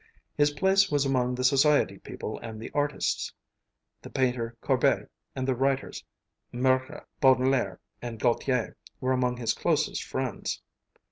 His place was among the society people and the artists; the painter Courbet and the writers Mürger, Baudelaire, and Gautier were among his closest friends.